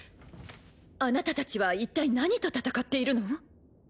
あなた達は一体何と戦っているの？